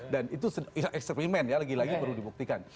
dan itu eksperimen ya lagi lagi perlu dibuktikan